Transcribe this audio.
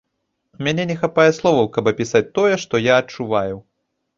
У мяне не хапае словаў, каб апісаць тое, што я адчуваю.